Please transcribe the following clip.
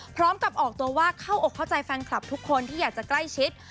พร้อมกับออกตัวว่าเข้าอกเข้าใจแฟนคลับทุกคนที่อยากจะใกล้ชิด